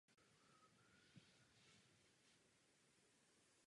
Na housle se musel učit potají od prvního houslisty otcova orchestru.